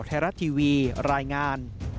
จึงไม่ได้เอดในแม่น้ำ